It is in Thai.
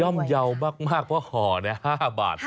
่อมเยาว์มากเพราะห่อ๕บาท